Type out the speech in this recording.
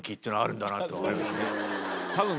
たぶん。